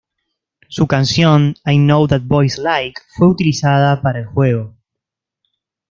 Su canción ""I Know What Boys Like"", fue utilizada para el juego.